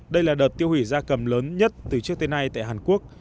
đây là đợt tiêu hủy da cầm lớn nhất từ trước tới nay tại hàn quốc